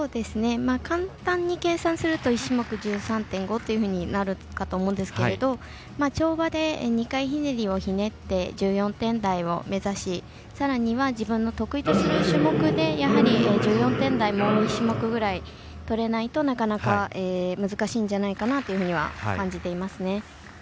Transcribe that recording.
簡単に計算すると１種目１３．５ということになると思うんですけれども跳馬で２回ひねりをひねって１４点台を目指しさらには自分の得意とする種目でやはり１４点台もう１種目ぐらいとれないとなかなか難しいんじゃないかなというふうには感じていますね。